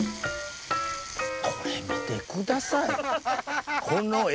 これ見てください。